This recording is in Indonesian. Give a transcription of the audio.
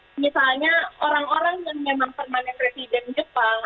nah tapi untuk misalnya orang orang yang memang permanent resident jepang